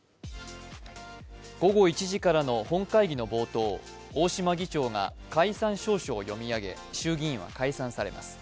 午後１時からの本会議の冒頭、大島議長が解散詔書を読み上げ衆議院は解散されます。